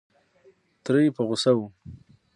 تره یې په غوسه و.